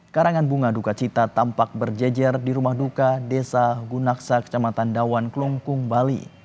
karangan bunga duka cita tampak berjejer di rumah duka desa gunaksa kecamatan dawan klungkung bali